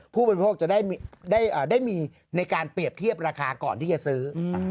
ผู้บริโภคจะได้มีในการเปรียบเทียบราคาก่อนที่จะซื้อ